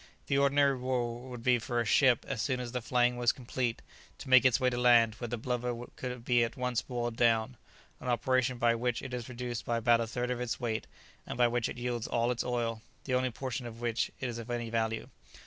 The ordinary rule would be for a ship, as soon as the flaying was complete, to make its way to land where the blubber could be at once boiled down, an operation by which it is reduced by about a third of its weight, and by which it yields all its oil, the only portion of it which is of any value.